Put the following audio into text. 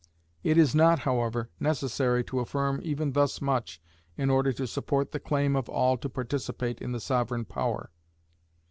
It is not, however, necessary to affirm even thus much in order to support the claim of all to participate in the sovereign power.